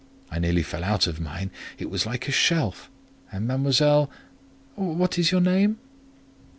I nearly fell out of mine; it was like a shelf. And Mademoiselle—what is your name?"